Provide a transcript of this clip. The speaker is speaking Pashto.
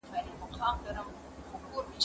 زه به اوږده موده د سبا لپاره د يادښتونه ترتيب کړم،